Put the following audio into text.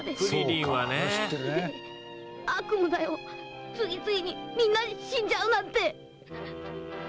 次々にみんな死んじゃうなんて」